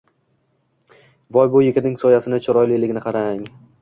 - Voy, bu yigitning soyasini chiroyliligini qarang!🤗🤗